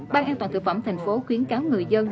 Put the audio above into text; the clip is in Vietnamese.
ban an toàn thực phẩm thành phố khuyến cáo người dân